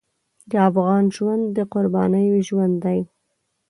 د افغان ژوند د قربانۍ ژوند دی.